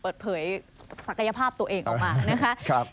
เปิดเผยศักยภาพตัวเองออกมานะคะ